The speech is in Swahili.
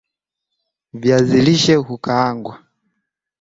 viazi lishe hukaangwa